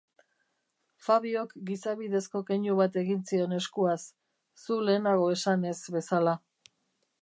Fabiok gizabidezko keinu bat egin zion eskuaz, zu lehenago esanez bezala.